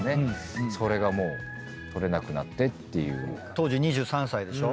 当時２３歳でしょ。